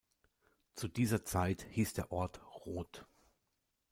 Zu dieser Zeit hieß der Ort "Roth".